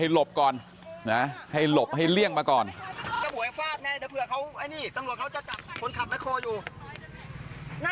อีกข้างทางเลยครับเนี่ยครับผมแพร่ภาพสดอยู่ครับ